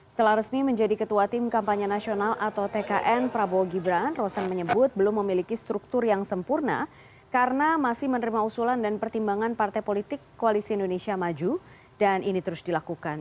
setelah resmi menjadi ketua tim kampanye nasional atau tkn prabowo gibran rosan menyebut belum memiliki struktur yang sempurna karena masih menerima usulan dan pertimbangan partai politik koalisi indonesia maju dan ini terus dilakukan